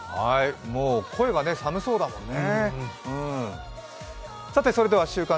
もう声が寒そうだもんね。